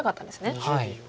はい。